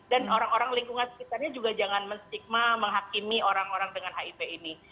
dan orang orang lingkungan sekitarnya juga jangan menstigma menghakimi orang orang dengan hiv ini